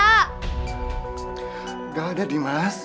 enggak ada dimas